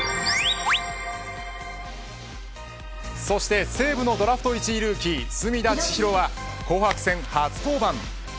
そして西武のドラフト１位ルーキー、隅田知一郎は紅白戦初登板。